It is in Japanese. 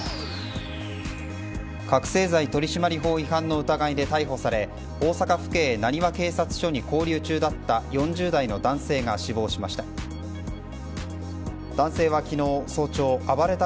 覚せい剤取締法違反の疑いで逮捕され大阪府警浪速警察署に勾留中だった４０代の男性が死亡しました。